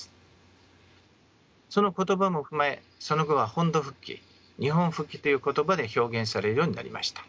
その言葉も踏まえその後は本土復帰日本復帰という言葉で表現されるようになりました。